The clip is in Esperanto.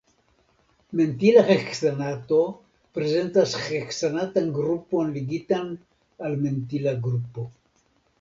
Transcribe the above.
Mentila heksanato prezentas heksanatan grupon ligitan al mentila grupo.